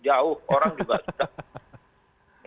jauh orang juga sudah